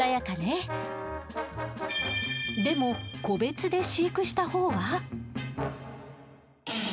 でも個別で飼育したほうは。